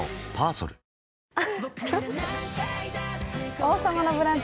「王様のブランチ」